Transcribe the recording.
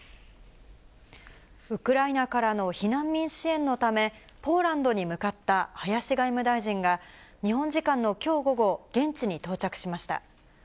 ウクライナからの避難民支援のため、ポーランドに向かった林外務大臣が、日本時間のきょう午後、現地に到着しました。